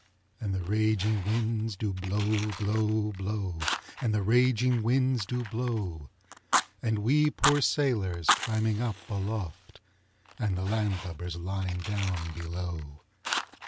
Chorus. And the raging winds do blow, blow, blow, And the raging winds do blow; And we poor sailors climbing up aloft, And the land lubbers lying down below.